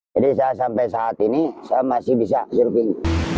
jadi saya sampai saat ini saya masih bisa surfing